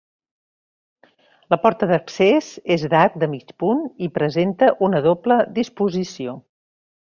La porta d'accés és d'arc de mig punt i presenta una doble disposició.